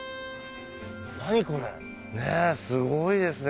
何これすごいですね。